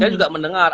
saya tidak mendengar